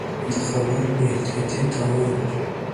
د خبرو بې احتیاطي تاوان لري